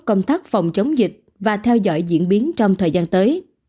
công tác phòng chống dịch và theo dõi diễn biến trong thời gian tới